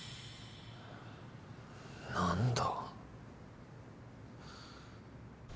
何だ？